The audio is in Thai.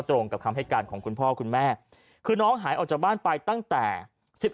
ตรงกับคำให้การของคุณพ่อคุณแม่คือน้องหายออกจากบ้านไปตั้งแต่สิบเอ็